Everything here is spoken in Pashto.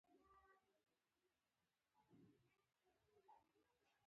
د امیدوارۍ د زړه بدوالي لپاره باید څه شی وکاروم؟